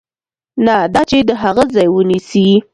نه دا چې د هغه ځای ونیسي.